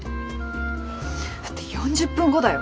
だって４０分後だよ